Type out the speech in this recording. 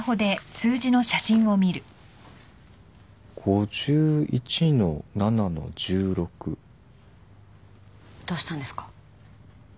「５１−７−１６」どうしたんですか？